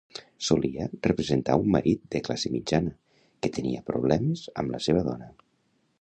Solia representar un marit de classe mitjana que tenia problemes amb la seva dona.